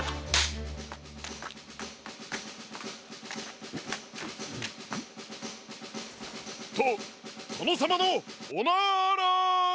カチン！ととのさまのおなら！